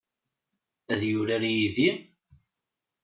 Ad yurar yid-i?